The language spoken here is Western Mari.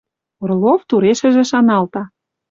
Орлов турешӹжӹ шаналта.